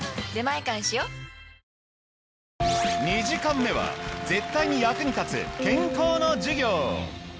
２時間目は絶対に役に立つ健康の授業。